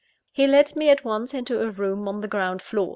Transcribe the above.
He led me at once into a room on the ground floor.